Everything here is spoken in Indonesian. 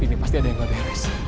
ini pasti ada yang beres